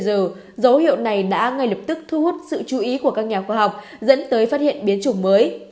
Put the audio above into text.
giờ dấu hiệu này đã ngay lập tức thu hút sự chú ý của các nhà khoa học dẫn tới phát hiện biến chủng mới